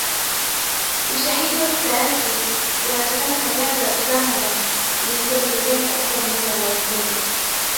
Ushahidi wa kisayansi unatokana na nyayo za zamadamu zilizogunduliwa katika eneo la Laetoli